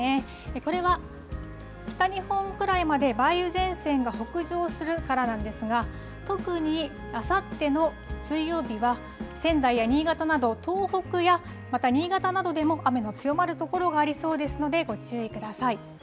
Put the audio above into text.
これは北日本くらいまで梅雨前線が北上するからなんですが、特にあさっての水曜日は、仙台や新潟など、東北やまた新潟などでも、雨の強まる所がありそうですので、ご注意ください。